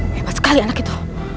hebat sekali anak itu